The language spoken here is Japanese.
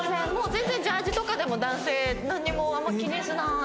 全然ジャージーとかでも男性なんにもあんま気にしない。